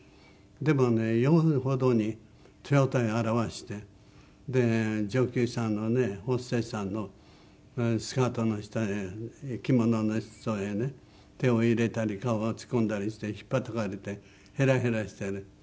でもね酔うほどに正体現してで女給さんのねホステスさんのスカートの下や着物の裾へね手を入れたり顔を突っ込んだりして引っぱたかれてヘラヘラしてね。